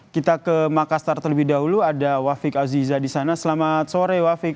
kita ke makassar terlebih dahulu ada wafik aziza di sana selamat sore wafik